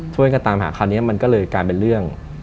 ช่วยกันตามหาคราวนี้มันก็เลยกลายเป็นเรื่อง